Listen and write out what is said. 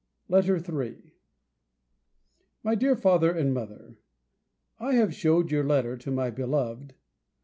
LETTER III MY DEAR FATHER AND MOTHER, I have shewed your letter to my beloved.